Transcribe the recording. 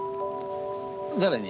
誰に？